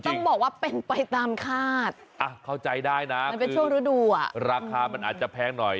ต้องบอกว่าเป็นไปตามคาดเข้าใจได้นะราคามันอาจจะแพงหน่อย